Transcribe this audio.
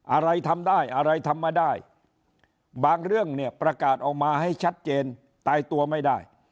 อะไรทำได้อะไรทำมาได้บางเรื่องเนี่ยประกาศออกมาให้ชัดเจนตายตัวไม่ได้